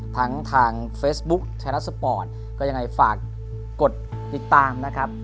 ทางเฟซบุ๊คไทยรัฐสปอร์ตก็ยังไงฝากกดติดตามนะครับ